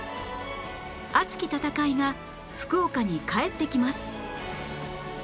熱き戦いが福岡に帰ってきます